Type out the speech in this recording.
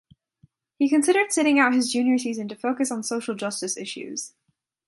He considered sitting out his junior season to focus on social justice issues.